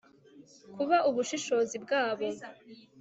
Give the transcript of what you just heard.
kuba ubushishozi bwabo